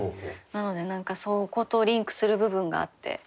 なので何かそことリンクする部分があって。